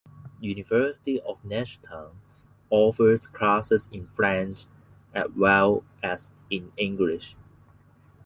University of Neuchatel offers classes in French as well as in English.